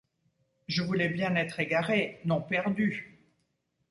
Je voulais bien être égaré, non perdu.